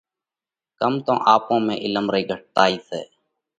ڪم تو آپون ۾ عِلم رئِي گھٽتائِي سئہ۔